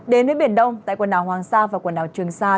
đến với biển đông tại quần đảo hoàng sa và quần đảo trường sa